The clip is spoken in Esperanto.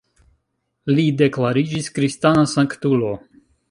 Li deklariĝis kristana sanktulo.